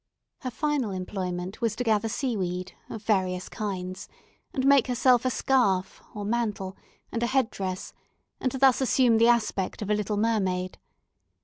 Her final employment was to gather seaweed of various kinds, and make herself a scarf or mantle, and a head dress, and thus assume the aspect of a little mermaid.